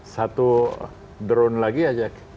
satu drone lagi aja